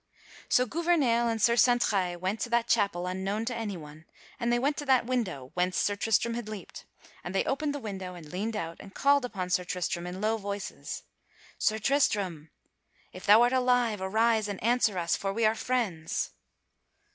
So Gouvernail and Sir Santraille went to that chapel unknown to anyone, and they went to that window whence Sir Tristram had leaped, and they opened the window, and leaned out and called upon Sir Tristram in low voices: "Sir Tristram, if thou art alive, arise and answer us, for we are friends!"